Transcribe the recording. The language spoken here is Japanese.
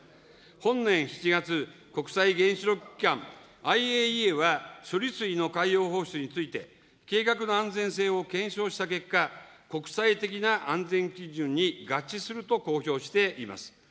本年７月、国際原子力機関・ＩＡＥＡは、処理水の海洋放出について、計画の安全性を検証した結果、国際的な安全基準に合致すると公表しています。